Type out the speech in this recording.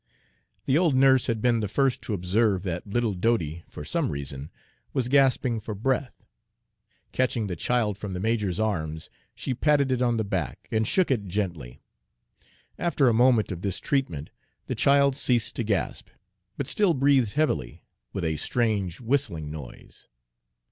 The old nurse had been the first to observe that little Dodie, for some reason, was gasping for breath. Catching the child from the major's arms, she patted it on the back, and shook it gently. After a moment of this treatment, the child ceased to gasp, but still breathed heavily, with a strange, whistling noise.